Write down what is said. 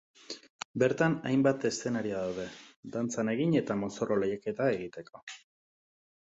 Bertan hainbat eszenario daude, dantzan egin eta mozorro lehiaketa egiteko.